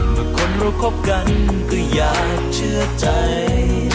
เมื่อคนเราคบกันก็อยากเชื่อใจ